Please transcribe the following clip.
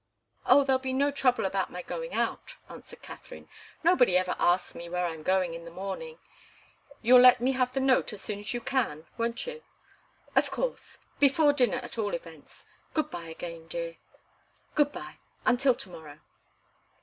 "Oh, there'll be no trouble about my going out," answered Katharine. "Nobody ever asks me where I'm going in the morning. You'll let me have the note as soon as you can, won't you?" "Of course. Before dinner, at all events. Good bye again, dear." "Good bye until to morrow."